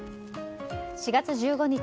４月１５日